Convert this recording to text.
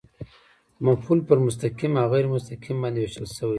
مفعول پر مستقیم او غېر مستقیم باندي وېشل سوی دئ.